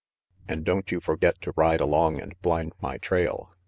"An' don't you forget to ride along and blind my trail."